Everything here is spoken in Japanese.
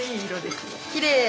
きれい！